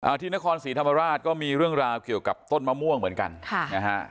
ที่นครศรีธรรมราชก็มีเรื่องราวเกี่ยวกับต้นมะม่วงเหมือนกันค่ะนะฮะ